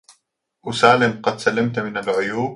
أسالم قد سلمت من العيوب